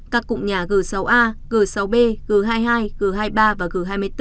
các cụm nhà g sáu a g sáu b g hai mươi hai g hai mươi ba và g hai mươi bốn